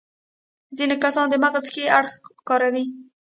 ځينې کسان د مغز ښي اړخ کاروي.